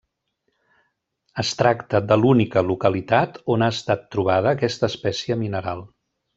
Es tracta de l'única localitat on ha estat trobada aquesta espècie mineral.